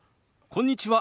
こんにちは。